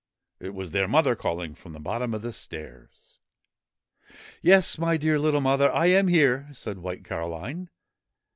' It was their mother calling from the bottom of the stairs. ' Yes, my dear little mother, I am here !' said White Caroline.